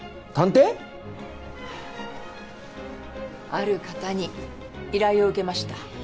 ある方に依頼を受けました。